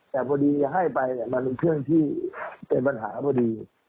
แต่พอดีให้ไปเนี่ยมันเป็นเครื่องที่เป็นปัญหาพอดี